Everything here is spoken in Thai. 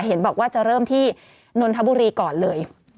เห็นบอกว่าจะเริ่มที่นนทบุรีก่อนเลย